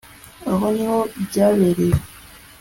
aho niho byabereye